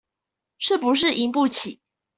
是不是贏不起